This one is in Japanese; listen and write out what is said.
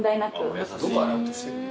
どこ洗おうとしてるの？